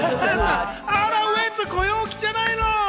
ウエンツ、ご陽気じゃないの！